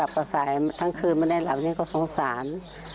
กระสาปเมื่อสายทั้งคืนมาได้หลับที่ก็สงสาร